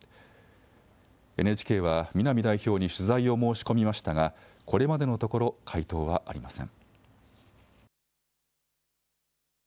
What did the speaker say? ＮＨＫは、南代表に取材を申し込みましたが、これまでのところ回答はありません。